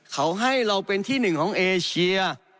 เขาให้เราเป็นที่หนึ่งของเอเชีย